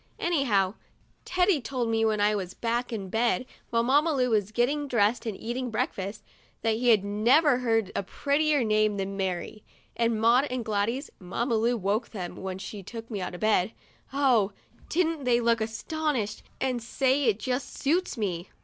Anyhow, Teddy told me, when I was back in bed, while Mamma Lu was getting dressed and eating breakfast, that he has never heard a prettier name than Mary ; and Maud and Gladys (Mamma Lu woke them when she took me out of bed) oh! didn't they look astonished and say it just suits me.